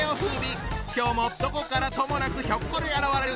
今日もどこからともなくひょっこり現れる！